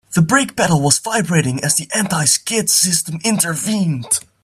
The brake pedal was vibrating as the anti-skid system intervened.